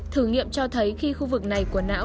thử nghiệm cho thấy khi khu vực này của não